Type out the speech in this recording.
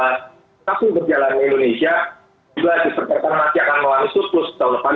juga disertakan masih akan melangsung selama sepuluh tahun depan